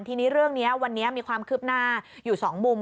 ทีนี้เรื่องนี้วันนี้มีความคืบหน้าอยู่๒มุม